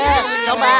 robi juga bersemangat